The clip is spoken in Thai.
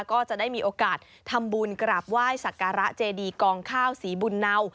ก็จะได้มีโอกาสทำบุญกราบไหว้สักการะเจดีกองข้าวศรีบุญเนา